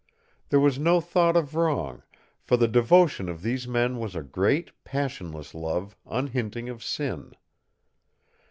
There was no thought of wrong, for the devotion of these men was a great, passionless love unhinting of sin.